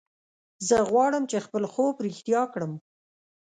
زه غواړم چې خپل خوب رښتیا کړم